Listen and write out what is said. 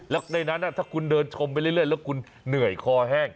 แล้วในนั้นถ้าคุณเดินชมไปเรื่อยแล้วคุณเหนื่อยคอแห้ง